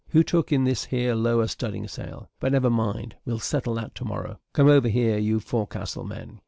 Who took in this here lower studding sail? But, never mind, we'll settle that to morrow. Come over here, you forecastle men."